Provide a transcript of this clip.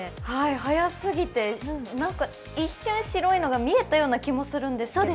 速すぎて、一瞬、白いのが見えたような気もするんですけど。